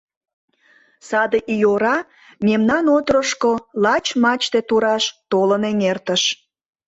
Саде ий ора мемнан отрошко, лач мачте тураш, толын эҥертыш.